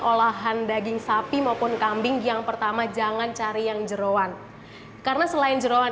olahan daging sapi maupun kambing yang pertama jangan cari yang jerawan karena selain jerawan